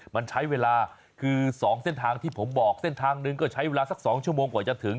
มันใช้เวลาคือ๒เส้นทางที่ผมบอกเส้นทางหนึ่งก็ใช้เวลาสัก๒ชั่วโมงกว่าจะถึง